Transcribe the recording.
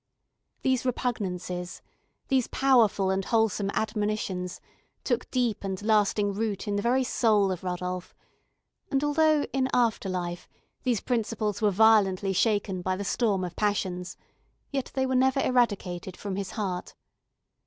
These repugnances, these powerful and wholesome admonitions, took deep and lasting root in the very soul of Rodolph; and although, in after life, these principles were violently shaken by the storm of passions, yet they were never eradicated from his heart.